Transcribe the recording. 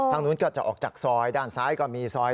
นู้นก็จะออกจากซอยด้านซ้ายก็มีซอย